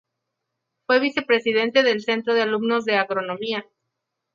Fue vicepresidente del Centro de Alumnos de Agronomía.